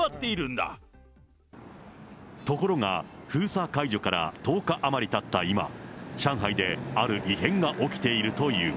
ところが、封鎖解除から１０日余りたった今、上海である異変が起きているという。